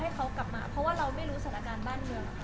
ให้เขากลับมาเพราะว่าเราไม่รู้สถานการณ์บ้านเมือง